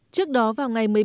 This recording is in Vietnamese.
trước đó vào ngày